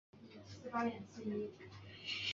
华林镇是中国江西省星子县下辖的一个镇。